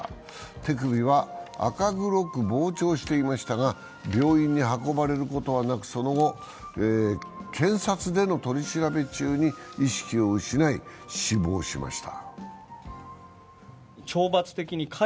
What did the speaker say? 手首は赤黒く膨張していましたが病院に運ばれることはなくその後、検察での取り調べ中に意識を失い、死亡しました。